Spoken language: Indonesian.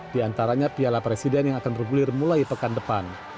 di antaranya piala presiden yang akan bergulir mulai pekan depan